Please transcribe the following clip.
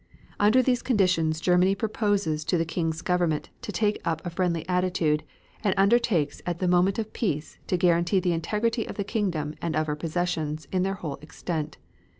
Under these conditions Germany proposes to the King's Government to take up a friendly attitude, and undertakes at the moment of peace to guarantee the integrity of the kingdom and of her possessions in their whole extent.